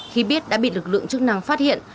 khi biết đã bị lực lượng chức năng phát hiện